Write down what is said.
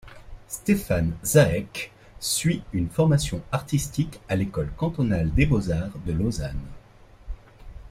Stéphane Zaech suit une formation artistique à l'école cantonale des beaux-arts de Lausanne.